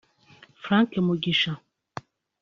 Franck Mugisha